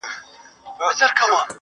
• هم دنیا هم یې عقبی دواړه بادار وي -